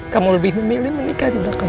kamu lebih memilih menikah dulu kamu